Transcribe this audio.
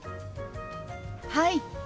はい！